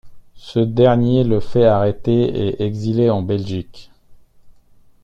Ce dernier le fait arrêter et exiler en Belgique.